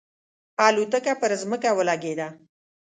الوتکه پر ځمکه ولګېده.